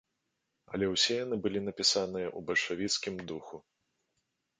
Але ўсе яны былі напісаныя ў бальшавіцкім духу.